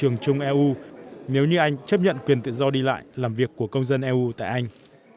nếu như anh chấp nhận quyền tự do đi lại làm việc của công dân eu tại anh